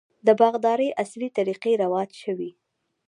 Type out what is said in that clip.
د باغدارۍ عصري طریقې رواج شوي.